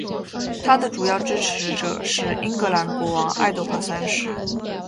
他的主要支持者是英格兰国王爱德华三世。